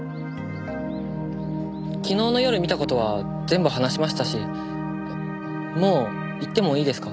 昨日の夜見た事は全部話しましたしもう行ってもいいですか？